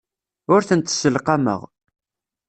Ur tent-sselqameɣ.